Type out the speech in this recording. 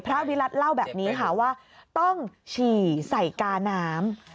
วิรัติเล่าแบบนี้ค่ะว่าต้องฉี่ใส่กาน้ำ